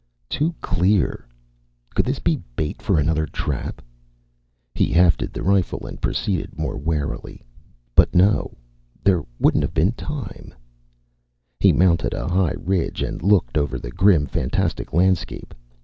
Too clear! Could this be bait for another trap? He hefted the rifle and proceeded more warily. But no, there wouldn't have been time He mounted a high ridge and looked over the grim, fantastic landscape.